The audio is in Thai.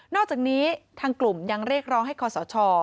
อกจากนี้ทางกลุ่มยังเรียกร้องให้คอสช